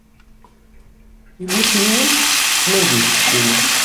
Yemmut yiwen, nnan-d d keččini.